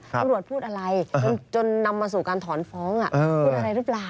พูดอะไรจนนำมาสู่การถอนฟ้องพูดอะไรหรือเปล่า